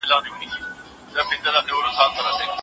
ښايسته كي ګراني !